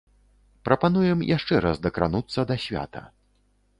Прапануем яшчэ раз дакрануцца да свята.